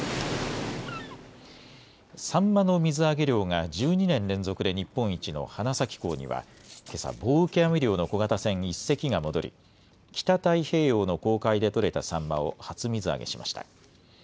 サンマの水揚げ量が１２年連続で日本一の花咲港にはけさ棒受け網漁の小型船１隻が戻り北太平洋の公海で取れたサンマを初水揚げしました。